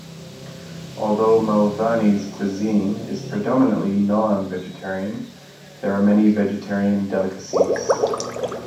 Although Malvani cuisine is predominantly non-vegetarian, there are many vegetarian delicacies.